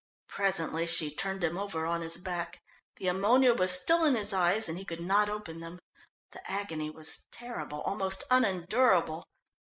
Presently she turned him over on his back. The ammonia was still in his eyes, and he could not open them. The agony was terrible, almost unendurable.